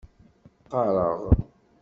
Qqareɣ.